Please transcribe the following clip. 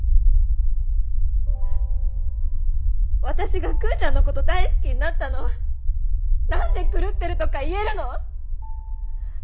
私がクウちゃんのこと大好きになったの何で狂ってるとか言えるの？